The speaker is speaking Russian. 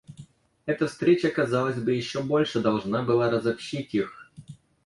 Эта встреча, казалось бы, еще больше должна была разобщить их.